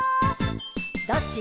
「どっち？」